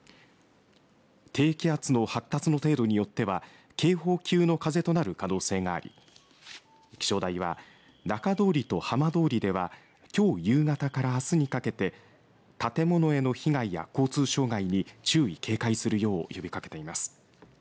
低気圧の発達の程度によっては警報級の風となる可能性があり気象台は、中通りと浜通りではきょう夕方からあすにかけて建物への被害や交通障害に注意、警戒するよう呼びかけています。